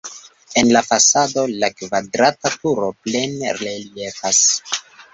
En la fasado la kvadrata turo plene reliefas.